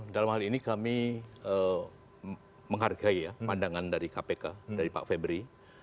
dalam hal ini kami menghargai ya pandangan dari kpk dari pak febri